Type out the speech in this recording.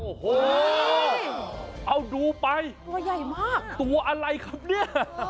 โอ้โหเอาดูไปตัวใหญ่มากตัวอะไรครับเนี่ย